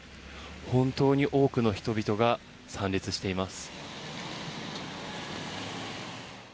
本当に多くの人々が参列しています。